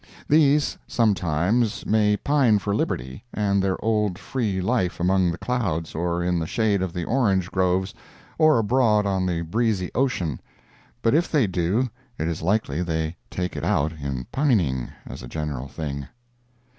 These, sometimes, may pine for liberty and their old free life among the clouds or in the shade of the orange groves, or abroad on the breezy ocean—but if they do, it is likely they take it out in pining, as a general thing.